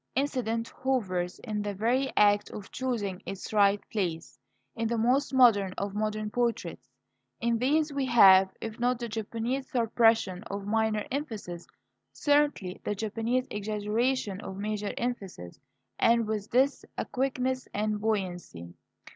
Incident hovers, in the very act of choosing its right place, in the most modern of modern portraits. In these we have, if not the Japanese suppression of minor emphasis, certainly the Japanese exaggeration of major emphasis; and with this a quickness and buoyancy.